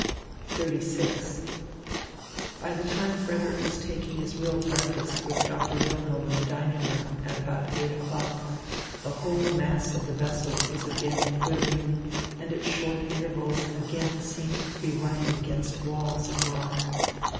XXXVI By the time Frederick was taking his real breakfast with Doctor Wilhelm in the dining room, at about eight o'clock, the whole mass of the vessel was again quivering and at short intervals again seemed to be running hard against walls of rock.